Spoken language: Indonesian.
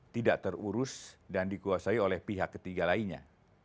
tidak terurus dan dikuasai oleh pihak ketiga lainnya